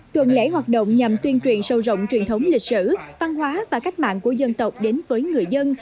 tuần lễ hoạt động nhằm tuyên truyền sâu rộng truyền thống lịch sử văn hóa và cách mạng của dân tộc đến với người dân